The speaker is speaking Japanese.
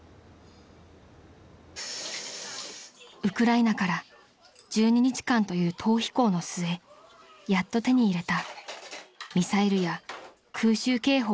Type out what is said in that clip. ［ウクライナから１２日間という逃避行の末やっと手に入れたミサイルや空襲警報におびえない日々］